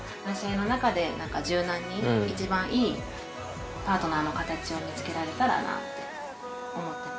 一番いいパートナーの形を見つけられたらなって思ってます。